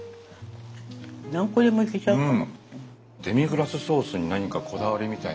何個でもいけちゃうかも。